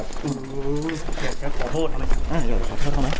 ครับขอโทษนะครับ